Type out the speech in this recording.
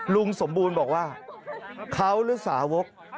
ลุงสมบูรณ์บอกว่าเขาหรือสาวก